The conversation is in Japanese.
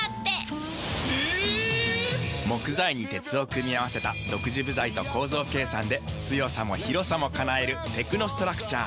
木材に鉄を組み合わせた独自部材と構造計算で強さも広さも叶えるテクノストラクチャー。